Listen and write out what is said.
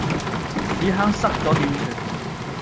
屎坑塞左點算？